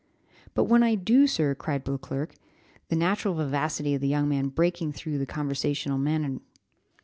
"But when I do, sir," cried Beauclerc; the natural vivacity of the young man breaking through the conventional manner.